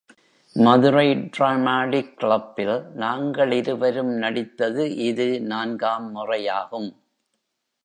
Madurai dramatic கிளப்பில் நாங்களிருவரும் நடித்தது இது நான்காம் முறையாகும்.